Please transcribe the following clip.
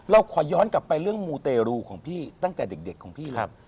เราขอย้อนกลับไปเรื่องมูเตรูของพี่ตั้งแต่เด็กของพี่เลย